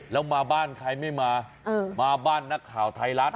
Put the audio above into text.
แล้วมาบ้านใครไม่มามาบ้านนักข่าวไทยรัฐ